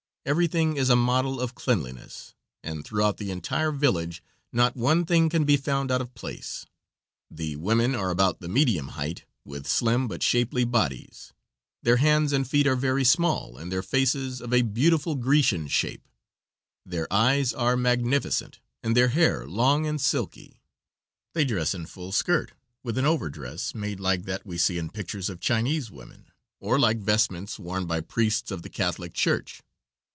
Everything is a model of cleanliness, and throughout the entire village not one thing can be found out of place; the women are about the medium height, with slim but shapely bodies; their hands and feet are very small, and their faces of a beautiful Grecian shape; their eyes are magnificent, and their hair long and silky; they dress in full skirt, with an overdress made like that we see in pictures of Chinese women, or like vestments worn by priests of the Catholic Church.